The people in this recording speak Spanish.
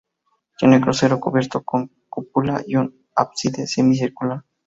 Tiene crucero cubierto con cúpula y un ábside semicircular.